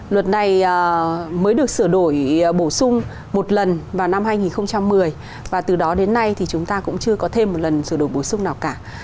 luật này mới được sửa đổi bổ sung một lần vào năm hai nghìn một mươi và từ đó đến nay thì chúng ta cũng chưa có thêm một lần sửa đổi bổ sung nào cả